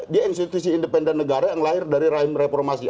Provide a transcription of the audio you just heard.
dia institusi independen negara yang lahir dari rahim reformasi